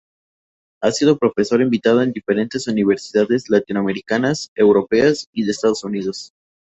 Ha sido profesor invitado en diferentes universidades latinoamericanas, europeas y de los Estados Unidos.